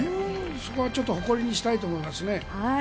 そこはちょっと誇りにしたいと思いますね。